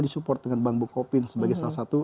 disupport dengan bank bukopin sebagai salah satu